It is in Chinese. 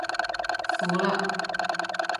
服了